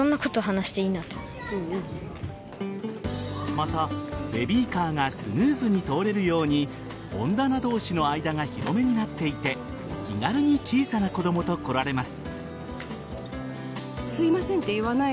また、ベビーカーがスムーズに通れるように本棚同士の間が広めになっていて気軽に小さな子供と来られます。